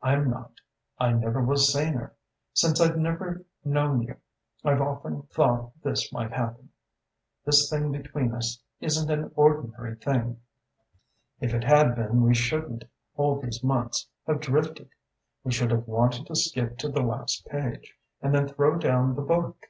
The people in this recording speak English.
I'm not: I never was saner. Since I've known you I've often thought this might happen. This thing between us isn't an ordinary thing. If it had been we shouldn't, all these months, have drifted. We should have wanted to skip to the last page and then throw down the book.